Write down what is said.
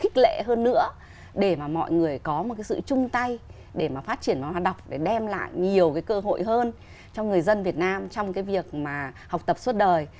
kích lệ hơn nữa để mà mọi người có một cái sự chung tay để mà phát triển văn hóa đọc để đem lại nhiều cái cơ hội hơn cho người dân việt nam trong cái việc mà học tập suốt đời